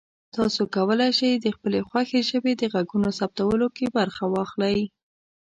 تاسو کولی شئ د خپلې خوښې ژبې د غږونو ثبتولو کې برخه واخلئ.